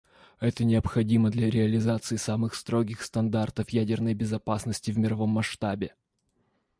Это необходимо для реализации самых строгих стандартов ядерной безопасности в мировом масштабе.